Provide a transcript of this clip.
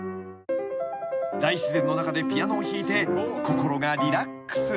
［大自然の中でピアノを弾いて心がリラックス］